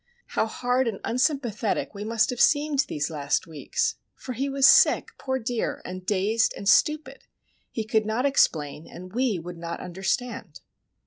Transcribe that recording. How hard and unsympathetic we must have seemed these last weeks; for he was sick, poor dear, and dazed, and stupid. He could not explain, and we would not understand.